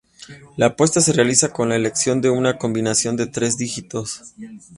La apuesta se realiza con la elección de una combinación de tres dígitos.